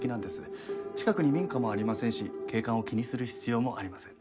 近くに民家もありませんし景観を気にする必要もありません。